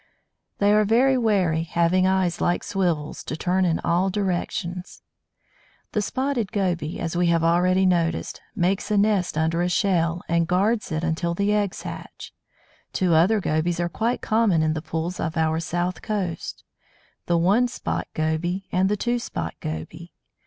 They are very wary, having eyes like swivels, to turn in all directions. [Illustration: A BUTTERFLY BLENNY] The Spotted Goby, as we have already noticed, makes a nest under a shell, and guards it until the eggs hatch. Two other Gobies are quite common in the pools of our south coast the One spot Goby and the Two spot Goby.